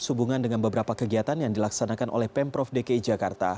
sehubungan dengan beberapa kegiatan yang dilaksanakan oleh pemprov dki jakarta